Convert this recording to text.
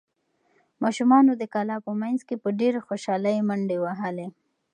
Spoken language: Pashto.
ماشومانو د کلا په منځ کې په ډېرې خوشحالۍ منډې وهلې.